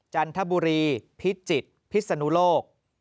จันทบุรีพิจิตรพิศนุโลก